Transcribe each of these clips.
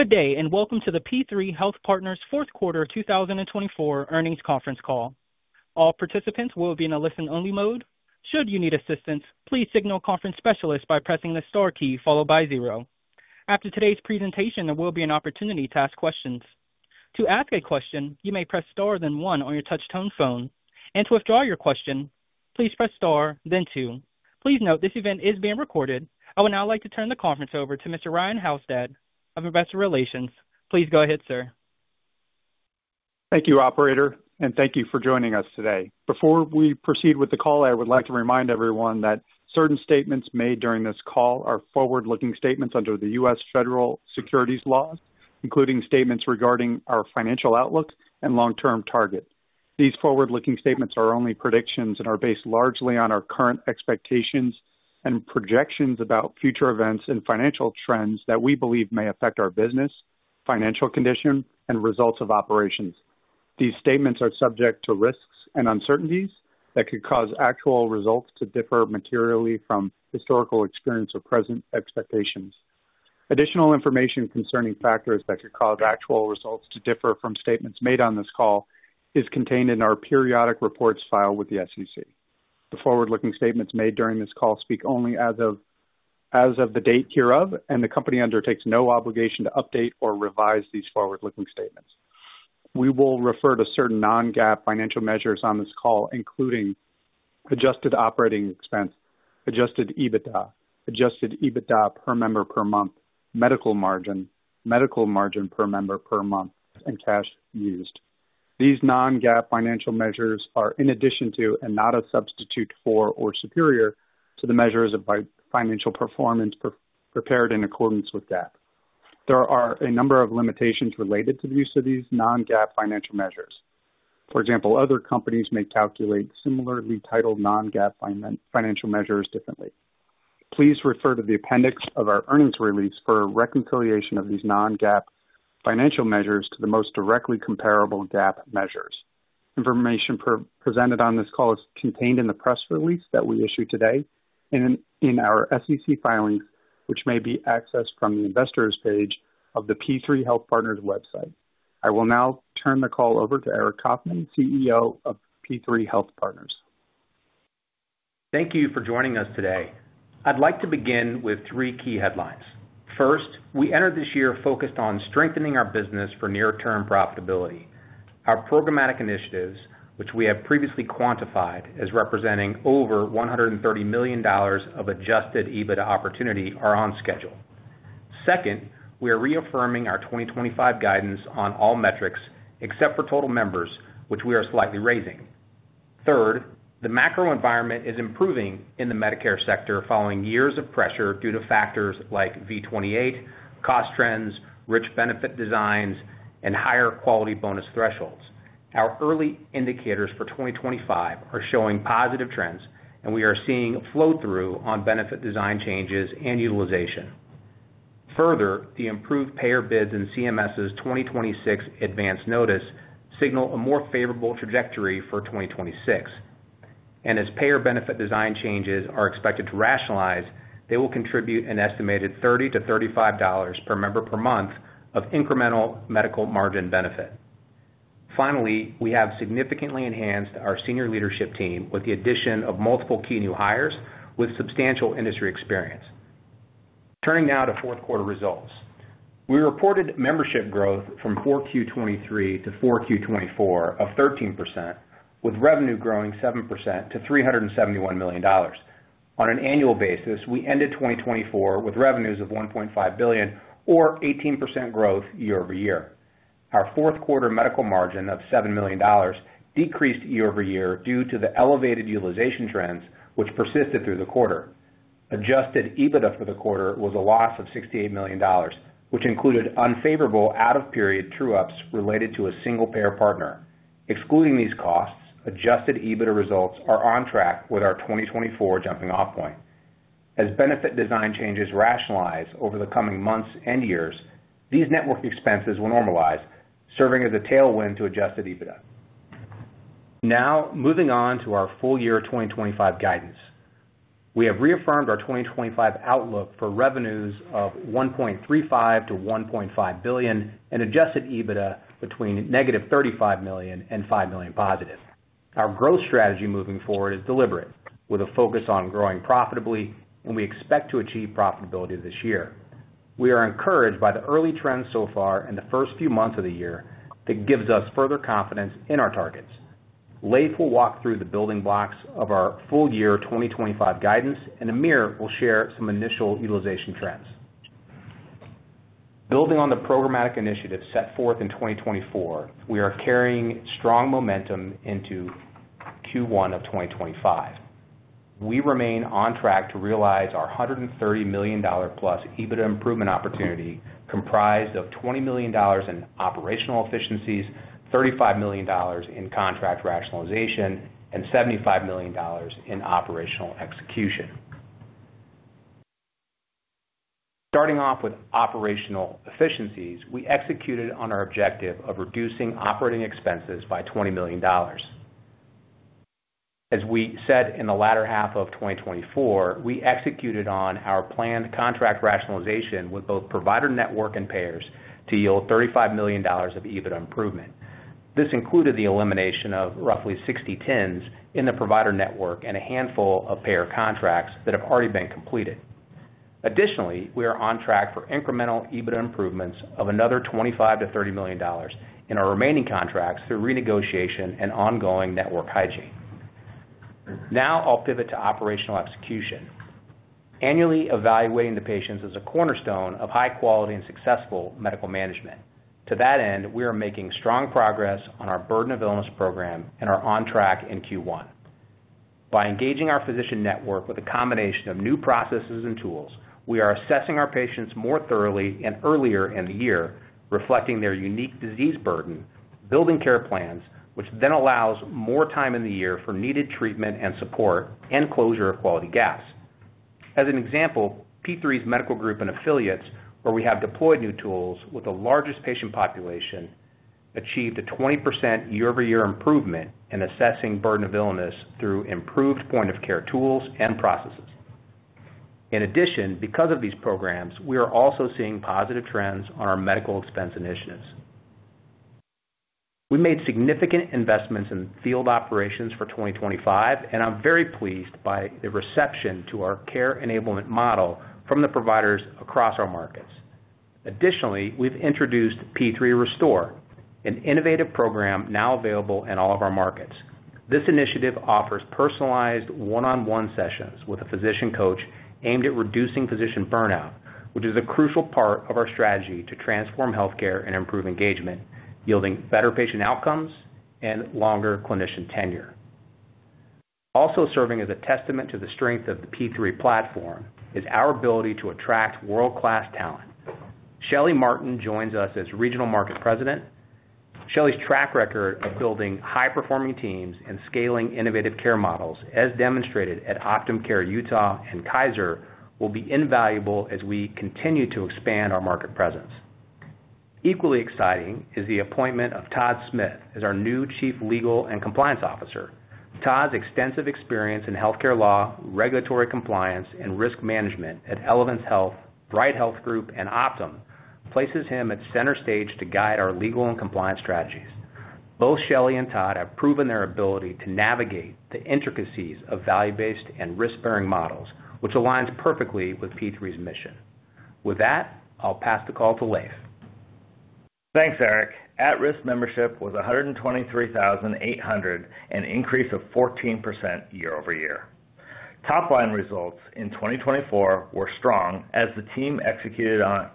Good day, and welcome to the P3 Health Partners Fourth Quarter 2024 Earnings Conference Call. All participants will be in a listen-only mode. Should you need assistance, please signal conference specialists by pressing the star key followed by zero. After today's presentation, there will be an opportunity to ask questions. To ask a question, you may press star then one on your touch-tone phone. To withdraw your question, please press star then two. Please note this event is being recorded. I would now like to turn the conference over to Mr. Ryan Halsted of Investor Relations. Please go ahead, sir. Thank you, Operator, and thank you for joining us today. Before we proceed with the call, I would like to remind everyone that certain statements made during this call are forward-looking statements under the U.S. federal securities laws, including statements regarding our financial outlook and long-term target. These forward-looking statements are only predictions and are based largely on our current expectations and projections about future events and financial trends that we believe may affect our business, financial condition, and results of operations. These statements are subject to risks and uncertainties that could cause actual results to differ materially from historical experience or present expectations. Additional information concerning factors that could cause actual results to differ from statements made on this call is contained in our periodic reports filed with the SEC. The forward-looking statements made during this call speak only as of the date hereof, and the company undertakes no obligation to update or revise these forward-looking statements. We will refer to certain non-GAAP financial measures on this call, including Adjusted Operating Expense, Adjusted EBITDA, Adjusted EBITDA per member per month, Medical Margin, Medical Margin per member per month, and cash used. These non-GAAP financial measures are in addition to and not a substitute for or superior to the measures of financial performance prepared in accordance with GAAP. There are a number of limitations related to the use of these non-GAAP financial measures. For example, other companies may calculate similarly titled non-GAAP financial measures differently. Please refer to the appendix of our earnings release for reconciliation of these non-GAAP financial measures to the most directly comparable GAAP measures. Information presented on this call is contained in the press release that we issue today and in our SEC filings, which may be accessed from the investors' page of the P3 Health Partners website. I will now turn the call over to Aric Coffman, CEO of P3 Health Partners. Thank you for joining us today. I'd like to begin with three key headlines. First, we entered this year focused on strengthening our business for near-term profitability. Our programmatic initiatives, which we have previously quantified as representing over $130 million of Adjusted EBITDA opportunity, are on schedule. Second, we are reaffirming our 2025 guidance on all metrics except for total members, which we are slightly raising. Third, the macro environment is improving in the Medicare sector following years of pressure due to factors like V28, cost trends, rich benefit designs, and higher quality bonus thresholds. Our early indicators for 2025 are showing positive trends, and we are seeing a flow-through on benefit design changes and utilization. Further, the improved payer bids and CMS's 2026 Advance Notice signal a more favorable trajectory for 2026. As payer benefit design changes are expected to rationalize, they will contribute an estimated $30-$35 per member per month of incremental Medical Margin benefit. Finally, we have significantly enhanced our senior leadership team with the addition of multiple key new hires with substantial industry experience. Turning now to fourth quarter results, we reported membership growth from Q4 '23-Q4 2024 of 13%, with revenue growing 7%-$371 million. On an annual basis, we ended 2024 with revenues of $1.5 billion, or 18% growth year-over-year. Our fourth quarter Medical Margin of $7 million decreased year-over-year due to the elevated utilization trends, which persisted through the quarter. Adjusted EBITDA for the quarter was a loss of $68 million, which included unfavorable out-of-period true-ups related to a single payer partner. Excluding these costs, Adjusted EBITDA results are on track with our 2024 jumping-off point. As benefit design changes rationalize over the coming months and years, these network expenses will normalize, serving as a tailwind to Adjusted EBITDA. Now, moving on to our full year 2025 guidance, we have reaffirmed our 2025 outlook for revenues of $1.35 billion-$1.5 billion and Adjusted EBITDA between negative $35 million and $5 million positive. Our growth strategy moving forward is deliberate, with a focus on growing profitably, and we expect to achieve profitability this year. We are encouraged by the early trends so far and the first few months of the year that gives us further confidence in our targets. Leif will walk through the building blocks of our full year 2025 guidance, and Amir will share some initial utilization trends. Building on the programmatic initiatives set forth in 2024, we are carrying strong momentum into Q1 of 2025. We remain on track to realize our $130 million+ EBITDA improvement opportunity, comprised of $20 million in operational efficiencies, $35 million in contract rationalization, and $75 million in operational execution. Starting off with operational efficiencies, we executed on our objective of reducing operating expenses by $20 million. As we said in the latter half of 2024, we executed on our planned contract rationalization with both provider network and payers to yield $35 million of EBITDA improvement. This included the elimination of roughly 60 TINs in the provider network and a handful of payer contracts that have already been completed. Additionally, we are on track for incremental EBITDA improvements of another $25-$30 million in our remaining contracts through renegotiation and ongoing network hygiene. Now I'll pivot to operational execution, annually evaluating the patients as a cornerstone of high-quality and successful medical management. To that end, we are making strong progress on our burden of illness program and are on track in Q1. By engaging our physician network with a combination of new processes and tools, we are assessing our patients more thoroughly and earlier in the year, reflecting their unique disease burden, building care plans, which then allows more time in the year for needed treatment and support and closure of quality gaps. As an example, P3's Medical Group and Affiliates, where we have deployed new tools with the largest patient population, achieved a 20% year-over-year improvement in assessing burden of illness through improved point-of-care tools and processes. In addition, because of these programs, we are also seeing positive trends on our medical expense initiatives. We made significant investments in field operations for 2025, and I'm very pleased by the reception to our care enablement model from the providers across our markets. Additionally, we've introduced P3 Restore, an innovative program now available in all of our markets. This initiative offers personalized one-on-one sessions with a physician coach aimed at reducing physician burnout, which is a crucial part of our strategy to transform healthcare and improve engagement, yielding better patient outcomes and longer clinician tenure. Also serving as a testament to the strength of the P3 platform is our ability to attract world-class talent. Shelley Martin joins us as Regional Market President. Shelley's track record of building high-performing teams and scaling innovative care models, as demonstrated at OptumCare Utah and Kaiser Permanente, will be invaluable as we continue to expand our market presence. Equally exciting is the appointment of Todd Smith as our new Chief Legal and Compliance Officer. Todd's extensive experience in healthcare law, regulatory compliance, and risk management at Elevance Health, Bright Health Group, and Optum places him at center stage to guide our legal and compliance strategies. Both Shelley and Todd have proven their ability to navigate the intricacies of value-based and risk-bearing models, which aligns perfectly with P3's mission. With that, I'll pass the call to Leif. Thanks, Aric. At-risk membership was 123,800, an increase of 14% year-over-year. Top-line results in 2024 were strong as the team executed on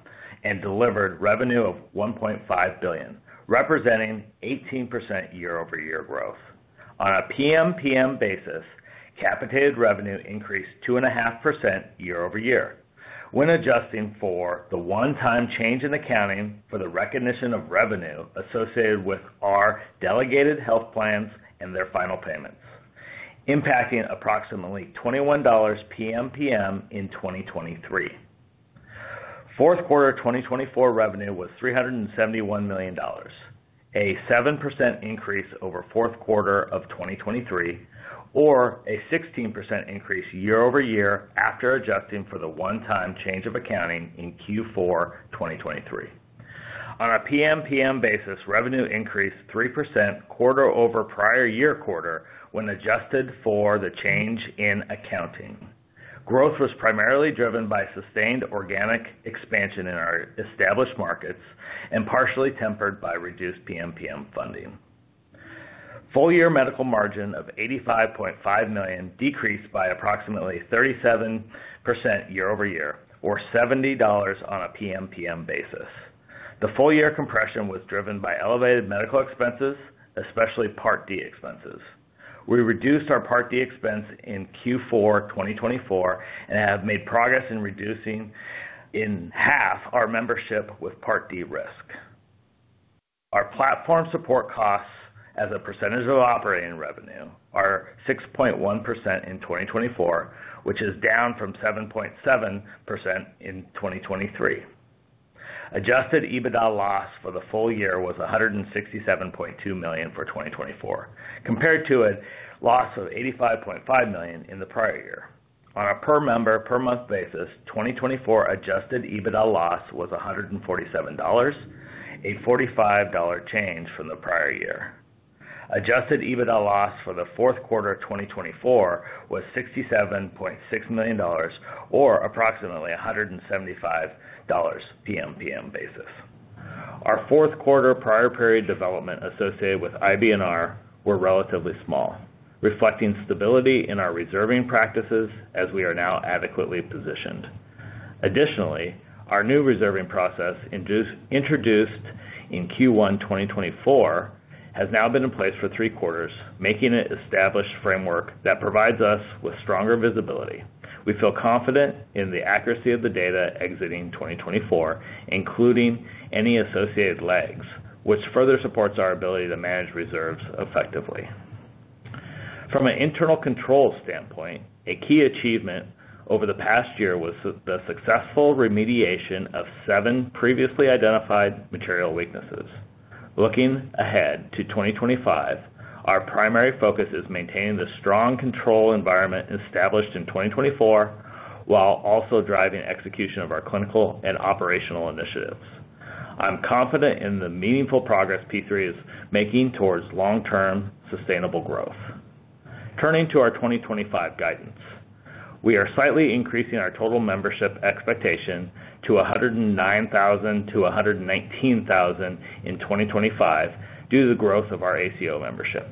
and delivered revenue of $1.5 billion, representing 18% year-over-year growth. On a PMPM basis, capitated revenue increased 2.5% year-over-year, when adjusting for the one-time change in accounting for the recognition of revenue associated with our delegated health plans and their final payments, impacting approximately $21 PMPM in 2023. Fourth quarter 2024 revenue was $371 million, a 7% increase over fourth quarter of 2023, or a 16% increase year-over-year after adjusting for the one-time change of accounting in Q4 2023. On a PMPM basis, revenue increased 3% quarter over prior year quarter when adjusted for the change in accounting. Growth was primarily driven by sustained organic expansion in our established markets and partially tempered by reduced PMPM funding. Full year Medical Margin of $85.5 million decreased by approximately 37% year-over-year, or $70 on a PMPM basis. The full year compression was driven by elevated medical expenses, especially Part D expenses. We reduced our Part D expense in Q4 2024 and have made progress in reducing in half our membership with Part D risk. Our platform support costs, as a percentage of operating revenue, are 6.1% in 2024, which is down from 7.7% in 2023. Adjusted EBITDA loss for the full year was $167.2 million for 2024, compared to a loss of $85.5 million in the prior year. On a per member per month basis, 2024 Adjusted EBITDA loss was $147, a $45 change from the prior year. Adjusted EBITDA loss for the fourth quarter 2024 was $67.6 million, or approximately $175 PPPM basis. Our fourth quarter prior-period development associated with IBNR were relatively small, reflecting stability in our reserving practices as we are now adequately positioned. Additionally, our new reserving process introduced in Q1 2024 has now been in place for three quarters, making it an established framework that provides us with stronger visibility. We feel confident in the accuracy of the data exiting 2024, including any associated lags, which further supports our ability to manage reserves effectively. From an internal control standpoint, a key achievement over the past year was the successful remediation of seven previously identified material weaknesses. Looking ahead to 2025, our primary focus is maintaining the strong control environment established in 2024 while also driving execution of our clinical and operational initiatives. I'm confident in the meaningful progress P3 is making towards long-term sustainable growth. Turning to our 2025 guidance, we are slightly increasing our total membership expectation to 109,000-119,000 in 2025 due to the growth of our ACO membership.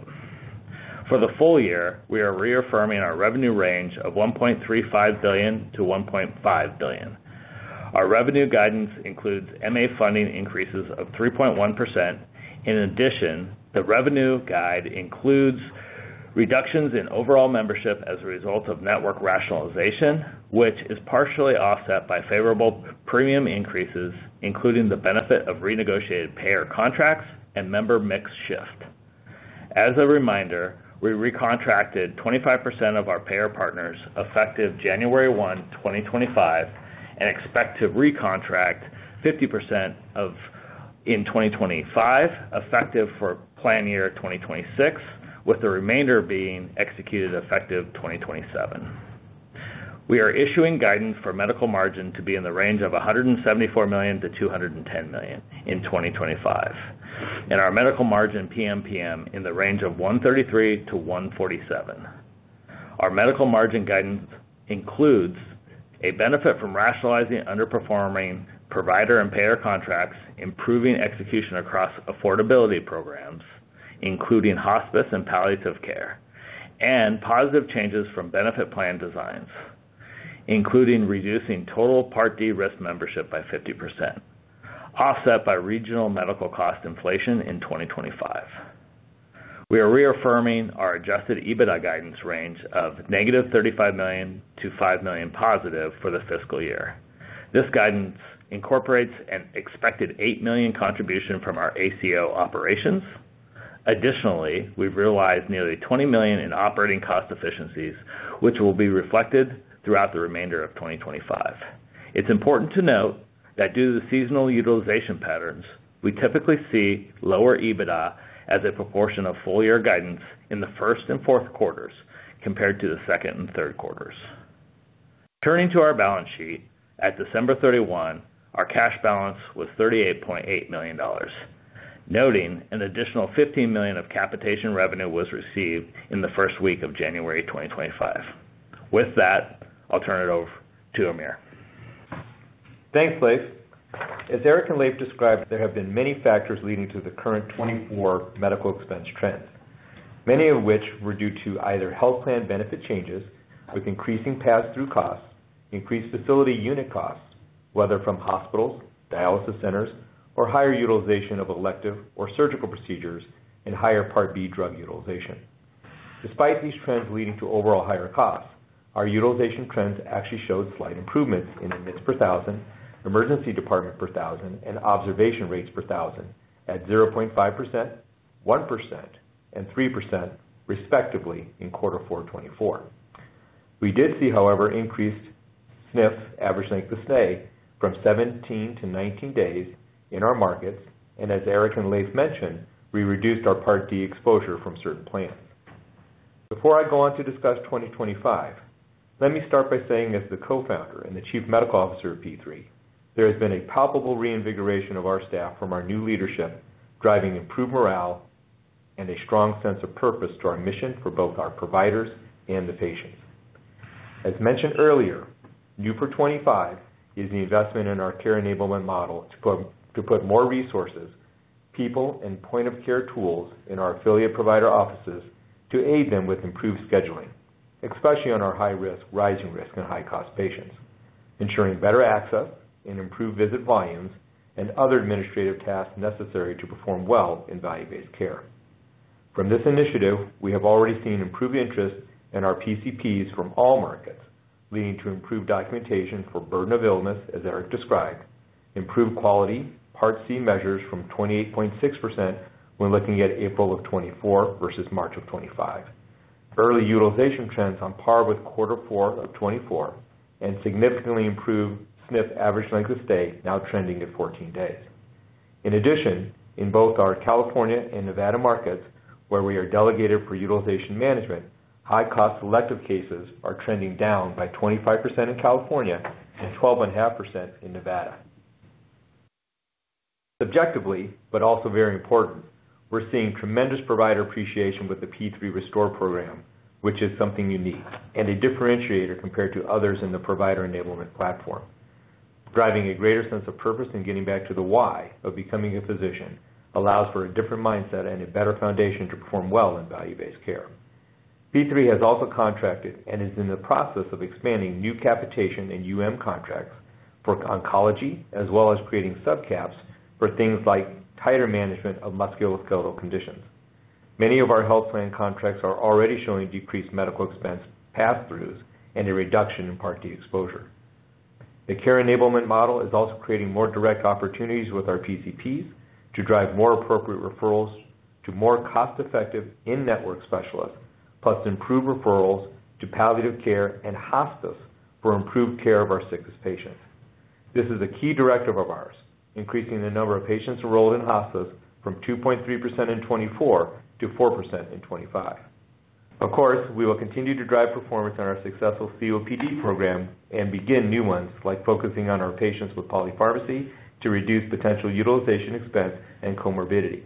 For the full year, we are reaffirming our revenue range of $1.35 billion-$1.5 billion. Our revenue guidance includes MA funding increases of 3.1%. In addition, the revenue guide includes reductions in overall membership as a result of network rationalization, which is partially offset by favorable premium increases, including the benefit of renegotiated payer contracts and member mix shift. As a reminder, we recontracted 25% of our payer partners effective January 1, 2025, and expect to recontract 50% in 2025, effective for plan year 2026, with the remainder being executed effective 2027. We are issuing guidance for Medical Margin to be in the range of $174 million-$210 million in 2025, and our Medical Margin PMPM in the range of $133-$147. Our Medical Margin guidance includes a benefit from rationalizing underperforming provider and payer contracts, improving execution across affordability programs, including hospice and palliative care, and positive changes from benefit plan designs, including reducing total Part D risk membership by 50%, offset by regional medical cost inflation in 2025. We are reaffirming our Adjusted EBITDA guidance range of negative $35 million-$5 million positive for the fiscal year. This guidance incorporates an expected $8 million contribution from our ACO operations. Additionally, we've realized nearly $20 million in operating cost efficiencies, which will be reflected throughout the remainder of 2025. It's important to note that due to the seasonal utilization patterns, we typically see lower EBITDA as a proportion of full year guidance in the first and fourth quarters compared to the second and third quarters. Turning to our balance sheet, at December 31, our cash balance was $38.8 million, noting an additional $15 million of capitation revenue was received in the first week of January 2025. With that, I'll turn it over to Amir. Thanks, Leif. As Aric and Leif described, there have been many factors leading to the current 24 medical expense trends, many of which were due to either health plan benefit changes with increasing pass-through costs, increased facility unit costs, whether from hospitals, dialysis centers, or higher utilization of elective or surgical procedures and higher Part B drug utilization. Despite these trends leading to overall higher costs, our utilization trends actually showed slight improvements in admits per thousand, emergency department per thousand, and observation rates per thousand at 0.5%, 1%, and 3%, respectively, in quarter four '24. We did see, however, increased SNF average length of stay from 17-19 days in our markets, and as Aric and Leif mentioned, we reduced our Part D exposure from certain plans. Before I go on to discuss 2025, let me start by saying, as the Co-founder and the Chief Medical Officer of P3, there has been a palpable reinvigoration of our staff from our new leadership, driving improved morale and a strong sense of purpose to our mission for both our providers and the patients. As mentioned earlier, new for 25 is the investment in our care enablement model to put more resources, people, and point-of-care tools in our affiliate provider offices to aid them with improved scheduling, especially on our high-risk, rising-risk, and high-cost patients, ensuring better access and improved visit volumes and other administrative tasks necessary to perform well in value-based care. From this initiative, we have already seen improved interest in our PCPs from all markets, leading to improved documentation for burden of illness, as Aric described, improved quality, Part C measures from 28.6% when looking at April of '24 versus March of '25, early utilization trends on par with quarter four of 24, and significantly improved SNF average length of stay, now trending to 14 days. In addition, in both our California and Nevada markets, where we are delegated for utilization management, high-cost selective cases are trending down by 25% in California and 12.5% in Nevada. Subjectively, but also very important, we're seeing tremendous provider appreciation with the P3 Restore program, which is something unique and a differentiator compared to others in the provider enablement platform, driving a greater sense of purpose and getting back to the why of becoming a physician, allows for a different mindset and a better foundation to perform well in value-based care. P3 has also contracted and is in the process of expanding new capitation and contracts for oncology, as well as creating subcaps for things like tighter management of musculoskeletal conditions. Many of our health plan contracts are already showing decreased medical expense pass-throughs and a reduction in Part D exposure. The care enablement model is also creating more direct opportunities with our PCPs to drive more appropriate referrals to more cost-effective in-network specialists, plus improved referrals to palliative care and hospice for improved care of our sickest patients. This is a key directive of ours, increasing the number of patients enrolled in hospice from 2.3% in '24-4% in 2025. Of course, we will continue to drive performance on our successful COPD program and begin new ones, like focusing on our patients with polypharmacy to reduce potential utilization expense and comorbidity.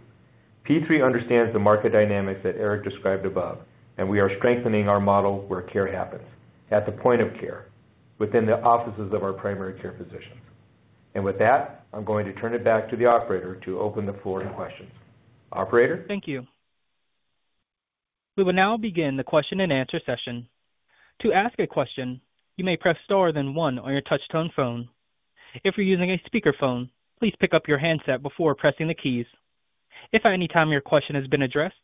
P3 understands the market dynamics that Aric described above, and we are strengthening our model where care happens, at the point of care, within the offices of our primary care physicians. With that, I'm going to turn it back to the operator to open the floor to questions. Operator. Thank you. We will now begin the question-and-answer session. To ask a question, you may press star then one on your touch-tone phone. If you're using a speakerphone, please pick up your handset before pressing the keys. If at any time your question has been addressed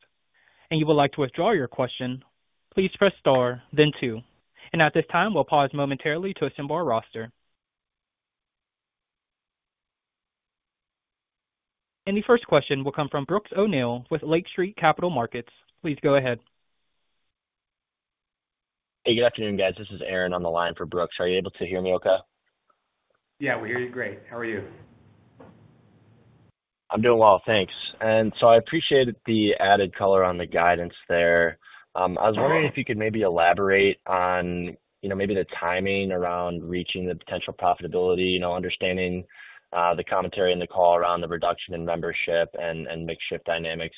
and you would like to withdraw your question, please press star, then two. At this time, we'll pause momentarily to assemble our roster. The first question will come from Brooks O'Neil with Lake Street Capital Markets. Please go ahead. Hey, good afternoon, guys. This is Aaron on the line for Brooks. Are you able to hear me okay? Yeah, we hear you great. How are you? I'm doing well, thanks. I appreciate the added color on the guidance there. I was wondering if you could maybe elaborate on maybe the timing around reaching the potential profitability, understanding the commentary in the call around the reduction in membership and mix shift dynamics.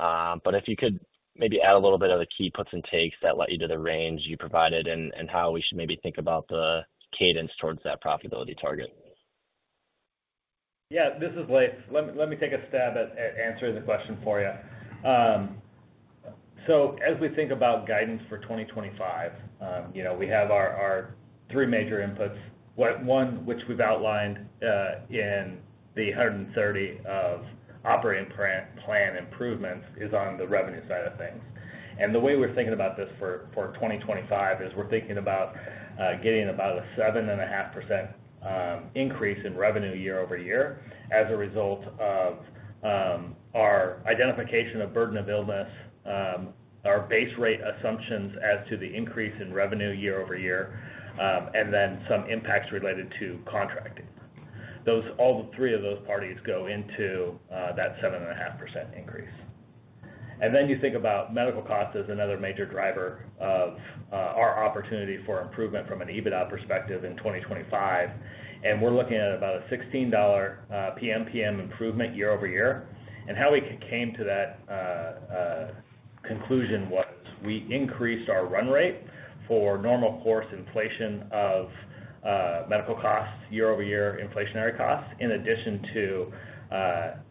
If you could maybe add a little bit of the key puts and takes that led you to the range you provided and how we should maybe think about the cadence towards that profitability target. Yeah, this is Leif. Let me take a stab at answering the question for you. As we think about guidance for 2025, we have our three major inputs. One, which we've outlined in the $130 million of operating plan improvements, is on the revenue side of things. The way we're thinking about this for 2025 is we're thinking about getting about a 7.5% increase in revenue year-over-year as a result of our identification of burden of illness, our base rate assumptions as to the increase in revenue year-over-year, and then some impacts related to contracting. All three of those parties go into that 7.5% increase. You think about medical cost as another major driver of our opportunity for improvement from an EBITDA perspective in 2025. We're looking at about a $16 PMPM improvement year-over-year. How we came to that conclusion was we increased our run rate for normal course inflation of medical costs year-over-year, inflationary costs, in addition to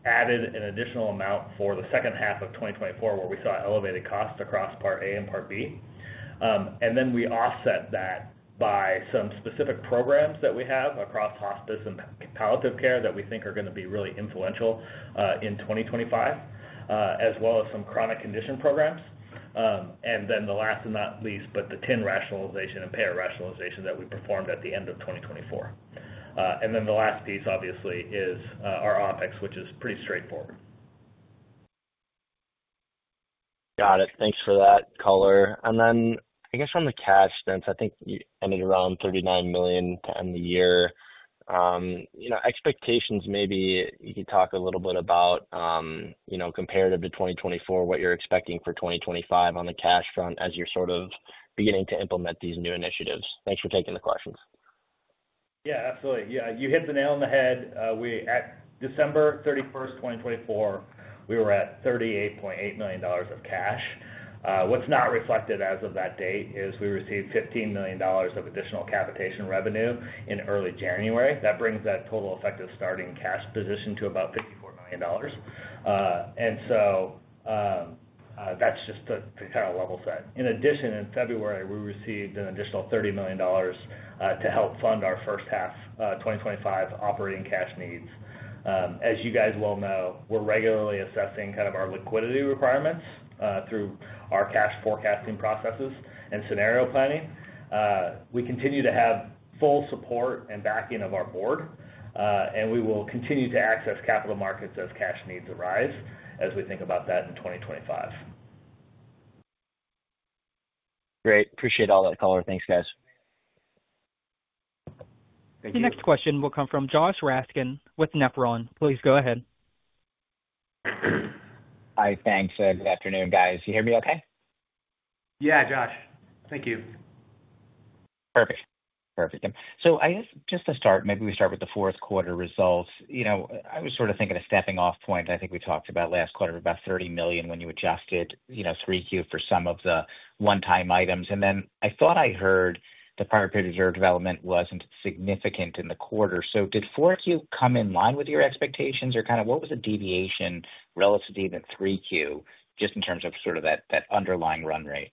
added an additional amount for the second half of 2024, where we saw elevated costs across Part A and Part B. We offset that by some specific programs that we have across hospice and palliative care that we think are going to be really influential in 2025, as well as some chronic condition programs. Last and not least, the TIN rationalization and payer rationalization that we performed at the end of 2024. The last piece, obviously, is our OpEx, which is pretty straightforward. Got it. Thanks for that color. I think you ended around $39 million to end the year. Expectations, maybe you could talk a little bit about comparative to 2024, what you're expecting for 2025 on the cash front as you're sort of beginning to implement these new initiatives. Thanks for taking the questions. Yeah, absolutely. Yeah, you hit the nail on the head. At December 31, 2024, we were at $38.8 million of cash. What's not reflected as of that date is we received $15 million of additional capitation revenue in early January. That brings that total effective starting cash position to about $54 million. That's just to kind of level set. In addition, in February, we received an additional $30 million to help fund our first half 2025 operating cash needs. As you guys well know, we're regularly assessing kind of our liquidity requirements through our cash forecasting processes and scenario planning. We continue to have full support and backing of our Board, and we will continue to access capital markets as cash needs arise as we think about that in 2025. Great. Appreciate all that color. Thanks, guys. Thank you. The next question will come from Joshua Raskin with Nephron. Please go ahead. Hi, thanks. Good afternoon, guys. You hear me okay? Yeah, Josh. Thank you. Perfect. Perfect. I guess just to start, maybe we start with the fourth quarter results. I was sort of thinking of a stepping-off point. I think we talked about last quarter about $30 million when you adjusted 3Q for some of the one-time items. I thought I heard the prior period reserve development was not significant in the quarter. Did 4Q come in line with your expectations, or what was the deviation relative to even 3Q, just in terms of that underlying run rate?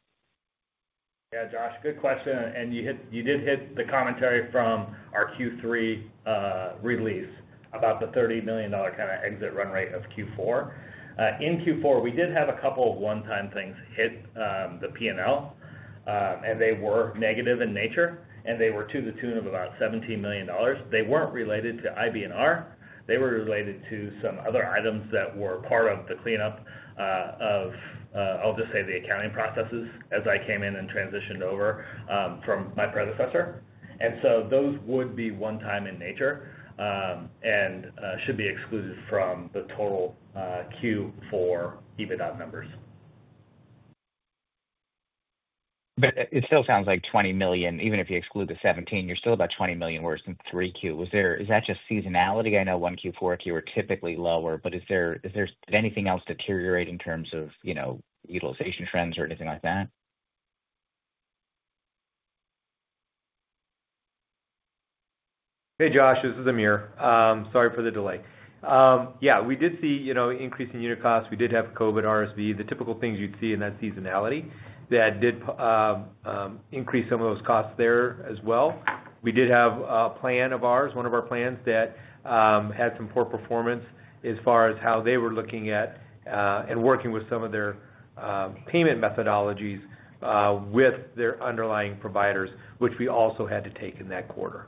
Yeah, Josh, good question. You did hit the commentary from our Q3 release about the $30 million kind of exit run rate of Q4. In Q4, we did have a couple of one-time things hit the P&L, and they were negative in nature, and they were to the tune of about $17 million. They were not related to IBNR. They were related to some other items that were part of the cleanup of, I'll just say, the accounting processes as I came in and transitioned over from my predecessor. Those would be one-time in nature and should be excluded from the total Q4 EBITDA numbers. It still sounds like $20 million, even if you exclude the $17 million, you're still about $20 million worse than 3Q. Is that just seasonality? I know 1Q, 4Q are typically lower, but is there anything else deteriorating in terms of utilization trends or anything like that? Hey, Josh, this is Amir. Sorry for the delay. Yeah, we did see increasing unit costs. We did have COVID, RSV, the typical things you'd see in that seasonality that did increase some of those costs there as well. We did have a plan of ours, one of our plans that had some poor performance as far as how they were looking at and working with some of their payment methodologies with their underlying providers, which we also had to take in that quarter.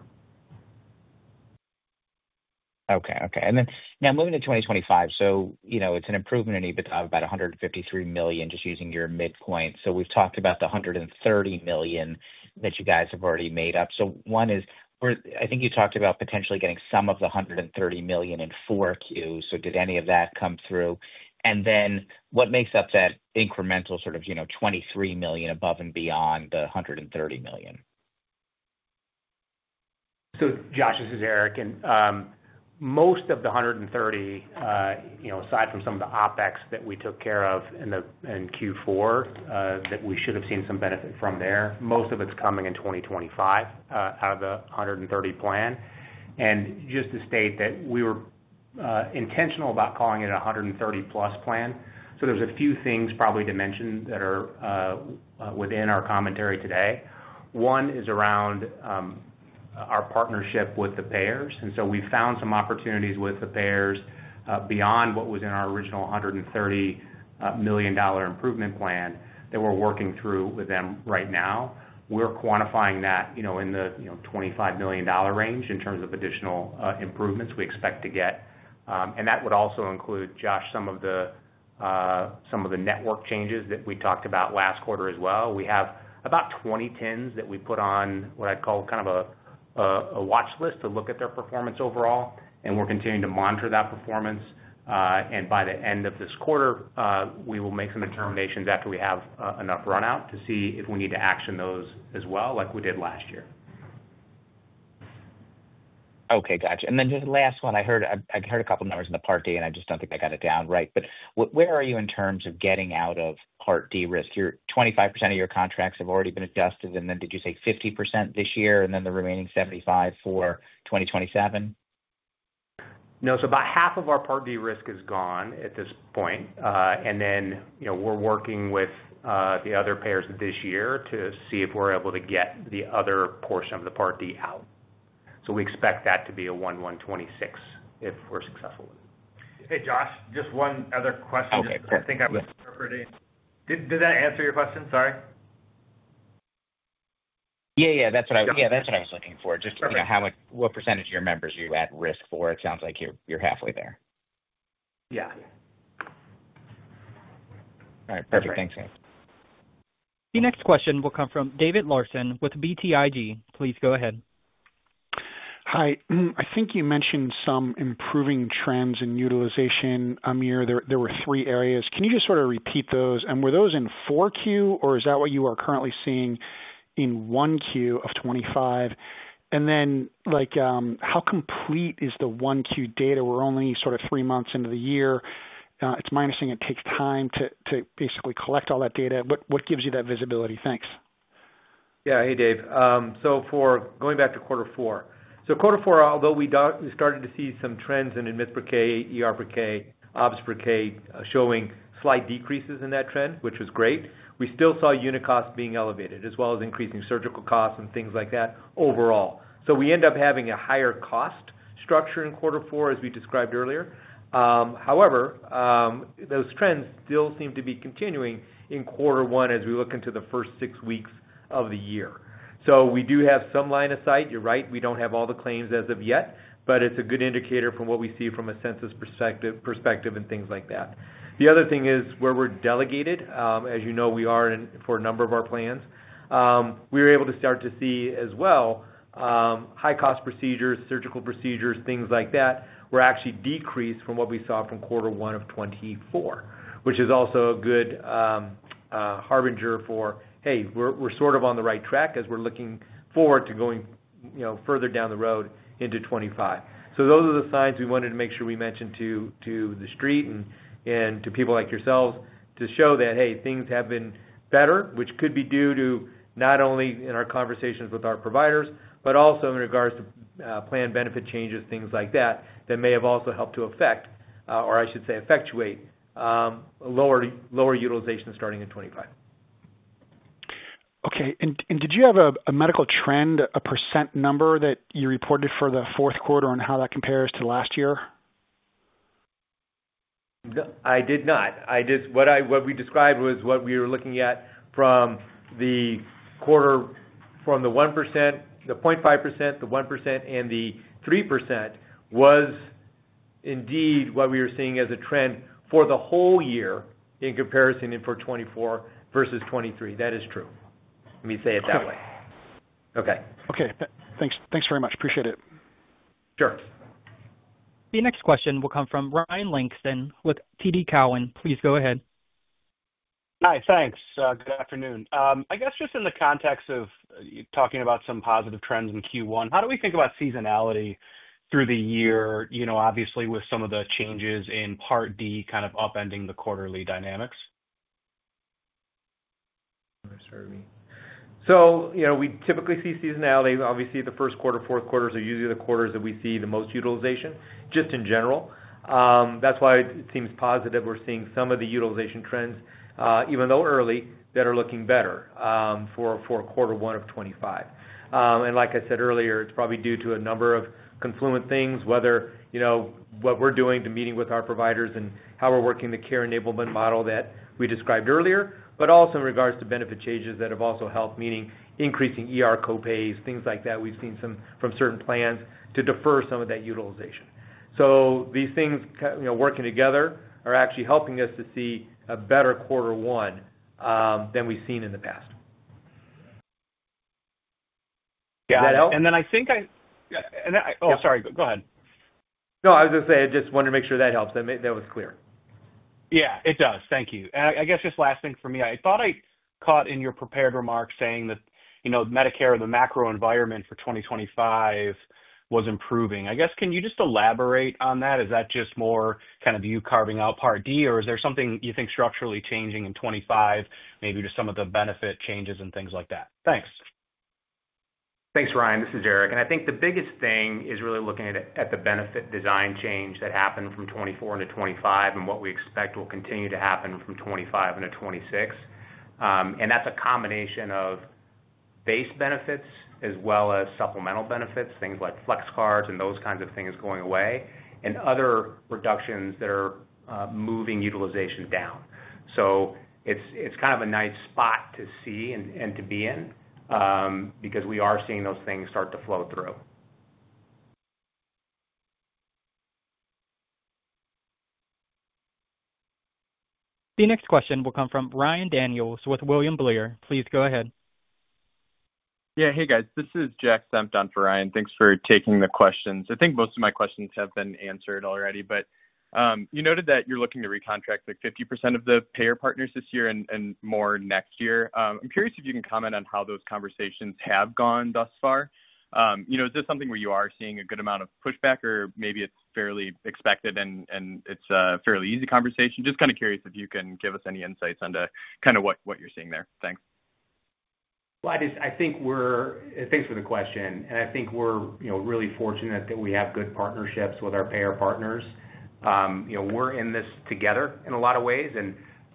Okay. Okay. Now moving to 2025, it is an improvement in EBITDA of about $153 million, just using your midpoint. We have talked about the $130 million that you guys have already made up. One is, I think you talked about potentially getting some of the $130 million in Q4. Did any of that come through? What makes up that incremental sort of $23 million above and beyond the $130 million? Josh, this is Aric. Most of the $130, aside from some of the OpEx that we took care of in Q4, that we should have seen some benefit from there, most of it is coming in 2025 out of the $130 plan. Just to state that we were intentional about calling it a $130-plus plan. There are a few things probably to mention that are within our commentary today. One is around our partnership with the payers. We have found some opportunities with the payers beyond what was in our original $130 million improvement plan that we are working through with them right now. We are quantifying that in the $25 million range in terms of additional improvements we expect to get. That would also include, Josh, some of the network changes that we talked about last quarter as well. We have about 20 TINs that we put on what I'd call kind of a watch list to look at their performance overall. We are continuing to monitor that performance. By the end of this quarter, we will make some determinations after we have enough run-out to see if we need to action those as well, like we did last year. Okay. Gotcha. And then just the last one, I heard a couple of numbers in the Part D, and I just do not think I got it down right. But where are you in terms of getting out of Part D risk? 25% of your contracts have already been adjusted, and then did you say 50% this year, and then the remaining 75% for 2027? No. About half of our Part D risk is gone at this point. We are working with the other payers this year to see if we are able to get the other portion of the Part D out. We expect that to be a 1-1-2026 if we are successful. Hey, Josh, just one other question. Okay. I think I was interpreting. Did that answer your question? Sorry. Yeah, yeah. That's what I was looking for. Just what percentage of your members are you at risk for? It sounds like you're halfway there. Yeah. All right. Perfect. Thanks, guys. The next question will come from David Larsen with BTIG. Please go ahead. Hi. I think you mentioned some improving trends in utilization, Amir. There were three areas. Can you just sort of repeat those? Were those in 4Q, or is that what you are currently seeing in 1Q of 25? How complete is the 1Q data? We're only sort of three months into the year. It's my understanding it takes time to basically collect all that data. What gives you that visibility? Thanks. Yeah. Hey, Dave. Going back to quarter four. Quarter four, although we started to see some trends in admits per K, ED per K, Obs per K showing slight decreases in that trend, which was great, we still saw unit costs being elevated, as well as increasing surgical costs and things like that overall. We end up having a higher cost structure in quarter four, as we described earlier. However, those trends still seem to be continuing in quarter one as we look into the first six weeks of the year. We do have some line of sight. You're right. We don't have all the claims as of yet, but it's a good indicator from what we see from a census perspective and things like that. The other thing is where we're delegated, as you know we are for a number of our plans, we were able to start to see as well high-cost procedures, surgical procedures, things like that, were actually decreased from what we saw from quarter one of '24, which is also a good harbinger for, hey, we're sort of on the right track as we're looking forward to going further down the road into 25. Those are the signs we wanted to make sure we mentioned to the street and to people like yourselves to show that, hey, things have been better, which could be due to not only in our conversations with our providers, but also in regards to planned benefit changes, things like that, that may have also helped to affect, or I should say effectuate lower utilization starting in 25. Okay. Did you have a medical trend, a percent number that you reported for the fourth quarter and how that compares to last year? I did not. What we described was what we were looking at from the quarter from the 1%, the 0.5%, the 1%, and the 3% was indeed what we were seeing as a trend for the whole year in comparison for 24 versus 23. That is true. Let me say it that way. Okay. Okay. Okay. Thanks very much. Appreciate it. Sure. The next question will come from Ryan Langston with TD Cowen. Please go ahead. Hi. Thanks. Good afternoon. I guess just in the context of talking about some positive trends in Q1, how do we think about seasonality through the year, obviously with some of the changes in Part D kind of upending the quarterly dynamics? We typically see seasonality. Obviously, the first quarter, fourth quarters are usually the quarters that we see the most utilization, just in general. That's why it seems positive we're seeing some of the utilization trends, even though early, that are looking better for quarter one of '25. Like I said earlier, it's probably due to a number of confluent things, whether what we're doing to meeting with our providers and how we're working the care enablement model that we described earlier, but also in regards to benefit changes that have also helped, meaning increasing copays, things like that. We've seen some from certain plans to defer some of that utilization. These things working together are actually helping us to see a better quarter one than we've seen in the past. Does that help? Yeah. I think I—oh, sorry. Go ahead. No, I was going to say I just wanted to make sure that helps. That was clear. Yeah, it does. Thank you. I guess just last thing for me, I thought I caught in your prepared remarks saying that Medicare, the macro environment for 2025, was improving. I guess can you just elaborate on that? Is that just more kind of you carving out Part D, or is there something you think structurally changing in 25, maybe just some of the benefit changes and things like that? Thanks. Thanks, Ryan. This is Aric. I think the biggest thing is really looking at the benefit design change that happened from 24 into 25 and what we expect will continue to happen from 25 into 26. That is a combination of base benefits as well as supplemental benefits, things like flex cards and those kinds of things going away, and other reductions that are moving utilization down. It is kind of a nice spot to see and to be in because we are seeing those things start to flow through. The next question will come from Ryan Daniels with William Blair. Please go ahead. Yeah. Hey, guys. This is Jack Slevin for Ryan. Thanks for taking the questions. I think most of my questions have been answered already, but you noted that you're looking to recontract like 50% of the payer partners this year and more next year. I'm curious if you can comment on how those conversations have gone thus far. Is this something where you are seeing a good amount of pushback, or maybe it's fairly expected and it's a fairly easy conversation? Just kind of curious if you can give us any insights onto kind of what you're seeing there. Thanks. I think we're really fortunate that we have good partnerships with our payer partners. We're in this together in a lot of ways.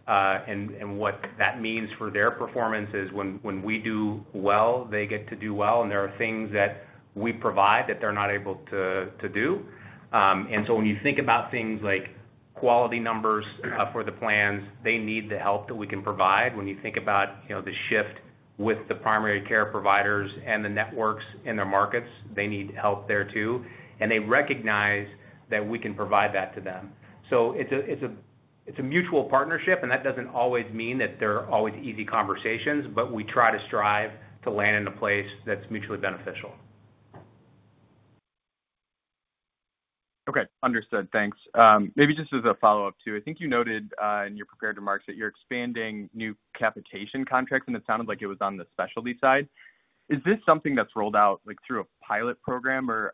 What that means for their performance is when we do well, they get to do well. There are things that we provide that they're not able to do. When you think about things like quality numbers for the plans, they need the help that we can provide. When you think about the shift with the primary care providers and the networks in their markets, they need help there too. They recognize that we can provide that to them. It is a mutual partnership, and that does not always mean that they're always easy conversations, but we try to strive to land in a place that's mutually beneficial. Okay. Understood. Thanks. Maybe just as a follow-up too, I think you noted in your prepared remarks that you're expanding new capitation contracts, and it sounded like it was on the specialty side. Is this something that's rolled out through a pilot program? Or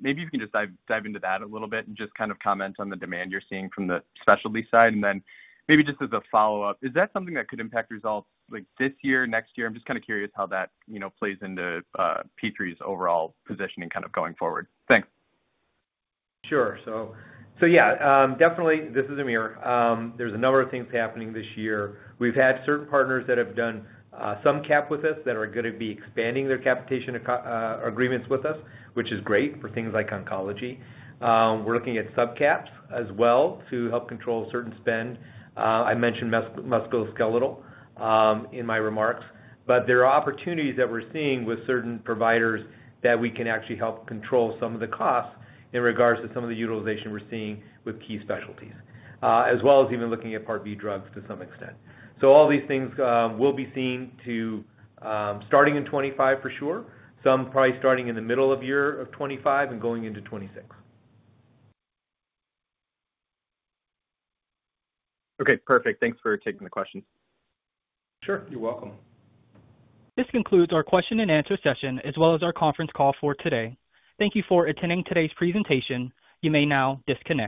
maybe you can just dive into that a little bit and just kind of comment on the demand you're seeing from the specialty side. Maybe just as a follow-up, is that something that could impact results this year, next year? I'm just kind of curious how that plays into P3's overall positioning kind of going forward. Thanks. Sure. Yeah, definitely, this is Amir. There's a number of things happening this year. We've had certain partners that have done some cap with us that are going to be expanding their capitation agreements with us, which is great for things like oncology. We're looking at subcaps as well to help control certain spend. I mentioned musculoskeletal in my remarks, but there are opportunities that we're seeing with certain providers that we can actually help control some of the costs in regards to some of the utilization we're seeing with key specialties, as well as even looking at Part B drugs to some extent. All these things will be seen starting in 2025 for sure, some probably starting in the middle of the year of '25 and going into 26. Okay. Perfect. Thanks for taking the questions. Sure. You're welcome. This concludes our question-and-answer session as well as our conference call for today. Thank you for attending today's presentation. You may now disconnect.